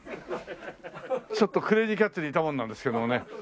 ちょっとクレイジーキャッツにいた者なんですけどもね。